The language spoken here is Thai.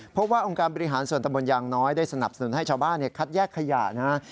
เพราะว่าองค์การบริหารส่วนตะบนยางน้อยได้สนับสนุนให้ชาวบ้านคัดแยกขยะนะ